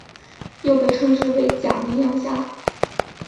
又被称之为假绵羊虾。